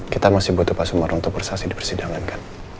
kita masih butuh pak sumarno untuk bersaksi di persidangan kan